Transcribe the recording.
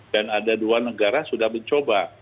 dan ada dua negara sudah mencoba